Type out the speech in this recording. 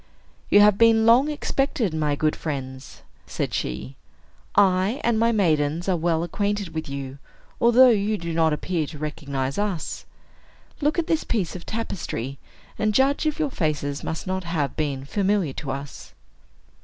"You have been long expected, my good friends," said she. "I and my maidens are well acquainted with you, although you do not appear to recognize us. Look at this piece of tapestry, and judge if your faces must not have been familiar to us."